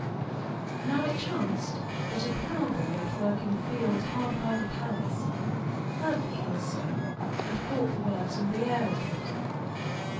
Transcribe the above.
Now it chanced that a ploughboy at work in a field hard by the palace heard the king's song and caught the words and the air of it.